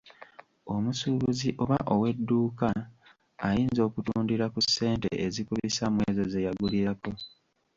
Omusuubuzi oba ow’edduuka ayinza okutundira ku ssente ezikubisa mwezo ze yagulirako.